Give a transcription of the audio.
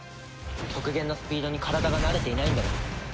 極限のスピードに体が慣れていないんだろ。